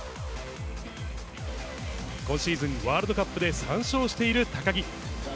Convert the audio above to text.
今シーズン、ワールドカップで３勝している高木。